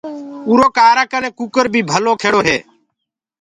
اُرو ڪآرآ ڪني ڪٚڪَر بيٚ ڀلو کيڙو رهي